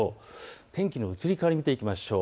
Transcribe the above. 天気の移り変わりを見ていきましょう。